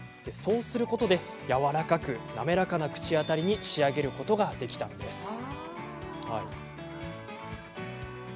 そうすることで、やわらかく滑らかな口当たりに仕上げることができたんです。